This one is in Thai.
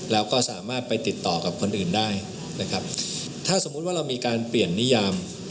แล้วก็สามารถไปติดต่อกับคนอื่นได้นะครับถ้าสมมุติว่าเรามีการเปลี่ยนนิยาม